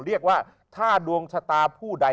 เรียกว่าถ้าดวงชะตาผู้ใด